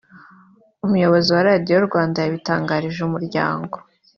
Umuyobozi wa Radio Rwanda yabitangarije Umuryango